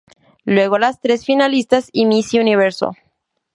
Luego las tres finalistas y Miss Universo.